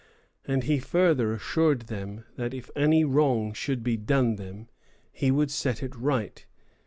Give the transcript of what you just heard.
And he further assured them that if any wrong should be done them, he would set it right.